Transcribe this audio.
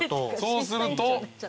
そうすると。